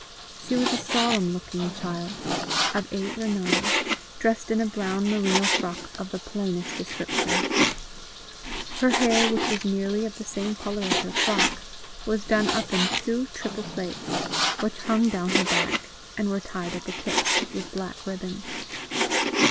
She was a solemn looking child, of eight or nine, dressed in a brown merino frock of the plainest description. Her hair, which was nearly of the same colour as her frock, was done up in two triple plaits, which hung down her back, and were tied at the tips with black ribbon.